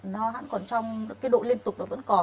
nó vẫn còn trong độ liên tục